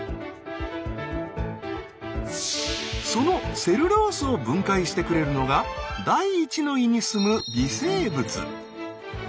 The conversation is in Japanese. そのセルロースを分解してくれるのが第一の胃に住む微生物。